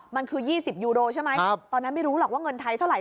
มันคือ๒๐ยูโรใช่ไหมตอนนั้นไม่รู้หรอกว่าเงินไทยเท่าไห